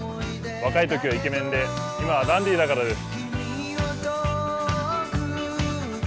若いときはイケメンで、今はダンディーだからです。